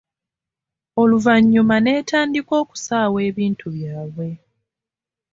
Oluvannyuma n'etandika okusaawa ebintu byabwe.